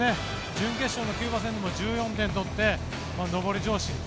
準決勝のキューバ戦でも１４点取って、上り調子。